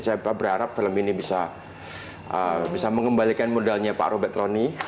saya berharap film ini bisa mengembalikan modalnya pak robert roni